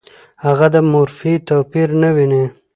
هغه د مورفي توپیر نه ویني.